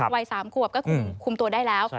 วัย๓ขวบก็คุมตัวได้แล้ว